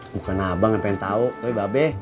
bukan abang yang pengen tahu tapi babe